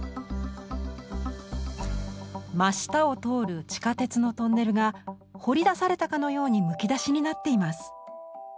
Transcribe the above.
真下を通る地下鉄のトンネルが掘り出されたかのようにむき出しになっています。